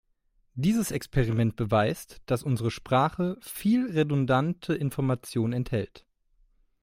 Dieses Experiment beweist, dass unsere Sprache viel redundante Information enthält.